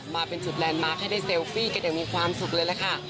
มาเป็นจุดแลนดมาร์คให้ได้เซลฟี่กันอย่างมีความสุขเลยล่ะค่ะ